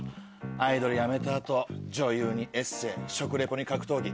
アイドル辞めた後女優にエッセー食リポに格闘技。